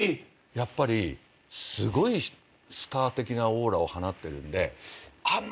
やっぱりすごいスター的なオーラを放ってるんであんまりこう。